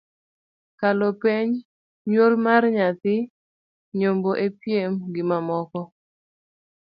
kalo penj, nywol mar nyathi, yombo e piem gimamoko